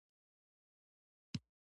جوړ په باغ کې لا یو بل رنګه حالت شو.